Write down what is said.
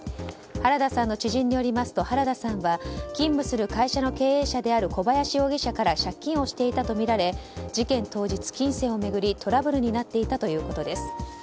原田さんの知人によりますと原田さんは勤務する会社の経営者である小林容疑者から借金をしていたとみられ事件当日、金銭を巡りトラブルになっていたということです。